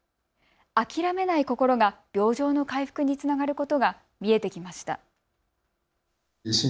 諦めない心が病状の回復につながることが見えてきました。